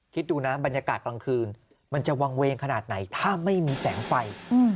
คิดดูนะบรรยากาศกลางคืนมันจะวางเวงขนาดไหนถ้าไม่มีแสงไฟ